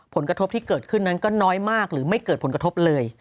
ผลกระทบที่เกิดขึ้นนั้นก็น้อยมากหรือไม่เกิดผลกระทบเลย